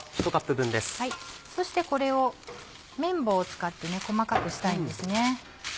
そしてこれをめん棒を使って細かくしたいんです。